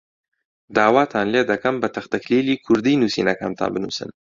داواتان لێ دەکەم بە تەختەکلیلی کوردی نووسینەکانتان بنووسن.